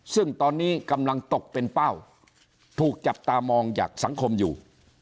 ซึ่งตอนนี้กำลังตกเป็นเป้าถูกจับตามองจากสังคมอยู่